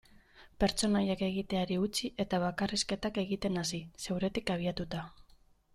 Pertsonaiak egiteari utzi eta bakarrizketak egiten hasi, zeuretik abiatuta.